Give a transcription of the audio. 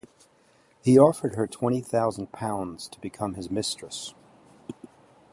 He offered her twenty thousand pounds to become his mistress.